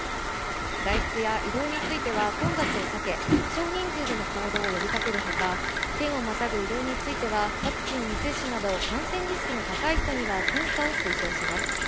外出や移動については混雑を避け、少人数での行動を呼びかけるほか県をまたぐ移動についてはワクチン未接種など、感染リスクの高い人には検査を推奨します。